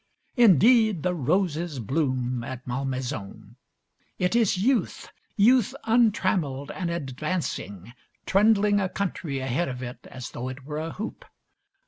Indeed, the roses bloom at Malmaison. It is youth, youth untrammeled and advancing, trundling a country ahead of it as though it were a hoop.